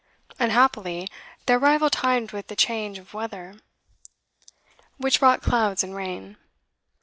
Unhappily, their arrival timed with a change of weather, which brought clouds and rain.